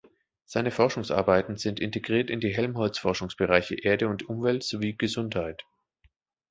Seine Forschungsarbeiten sind integriert in die Helmholtz-Forschungsbereiche „Erde und Umwelt“ sowie „Gesundheit“.